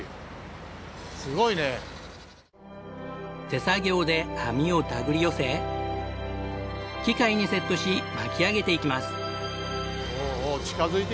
手作業で網をたぐり寄せ機械にセットし巻き上げていきます。